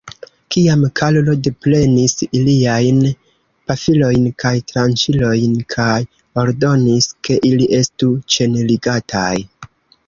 Tiam Karlo deprenis iliajn pafilojn kaj tranĉilojn, kaj ordonis, ke ili estu ĉenligataj.